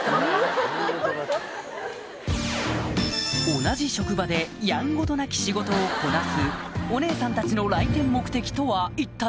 同じ職場でやんごとなき仕事をこなすお姉さんたちの来店目的とは一体？